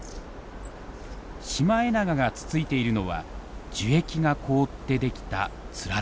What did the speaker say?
シマエナガがつついているのは樹液が凍ってできたつらら。